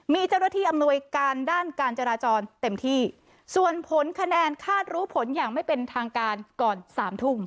มีเจ้าหน้าที่อำนวยการด้านการจราจรเต็มที่ส่วนผลคะแนนคาดรู้ผลอย่างไม่เป็นทางการก่อนสามทุ่ม